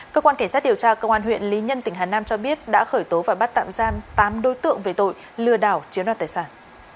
cơ quan cảnh sát điều tra công an huyện lý nhân tỉnh hà nam cho biết đã khởi tố và bắt tạm giam tám đối tượng về tội lừa đảo chiếm đoạt tài sản